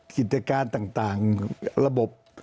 กิจการต่างระบบ